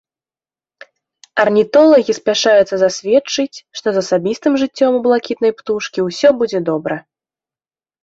Арнітолагі спяшаюцца засведчыць, што з асабістым жыццём у блакітнай птушкі ўсё будзе добра.